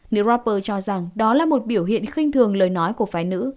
nếu rapper cho rằng đó là một biểu hiện khinh thường lời nói của phái nữ